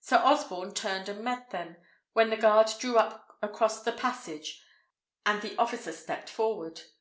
Sir Osborne turned and met them, when the guard drew up across the passage, and the officer stepped forward.